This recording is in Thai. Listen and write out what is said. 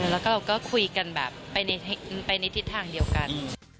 แล้วก็เราก็คุยกันแบบไปในทิศทางเดียวกัน